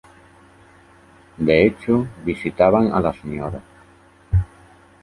De hecho, visitaban a la Sra.